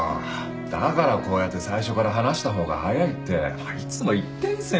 だからこうやって最初から話した方が早いっていつも言ってんすよ。